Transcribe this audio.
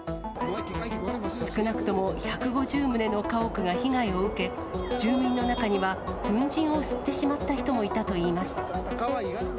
少なくとも１５０棟の家屋が被害を受け、住民の中には粉じんを吸ってしまった人もいたといいます。